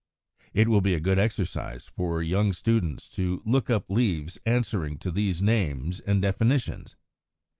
It will be a good exercise for young students to look up leaves answering to these names and definitions.